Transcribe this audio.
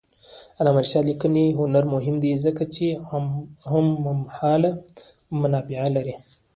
د علامه رشاد لیکنی هنر مهم دی ځکه چې هممهاله منابع لري.